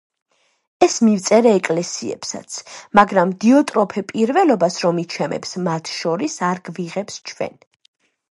ეს მივწერე ეკლესიებსაც, მაგრამ დიოტროფე, პირველობას რომ იჩემებს მათ შორის, არ გვიღებს ჩვენ.